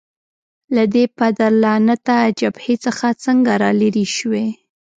له دې پدرلعنته جبهې څخه څنګه رالیري شوې؟